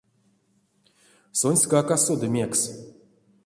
Сонськак а соды мекс.